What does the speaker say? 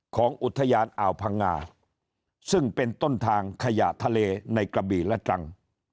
ของอุทยานอ่าวพังงาซึ่งเป็นต้นทางขยะทะเลในกระบี่และตรัง